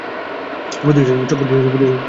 প্রতিষ্ঠানের পরিচালক প্রতিষ্ঠানটির শীর্ষব্যক্তি।